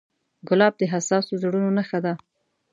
ګلاب د حساسو زړونو نښه ده.